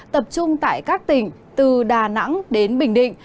tập trung tại các tỉnh từ đà nẵng đến bình định